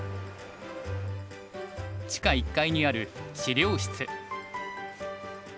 地下１階にある資料室。